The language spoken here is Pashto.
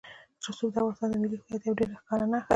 رسوب د افغانستان د ملي هویت یوه ډېره ښکاره نښه ده.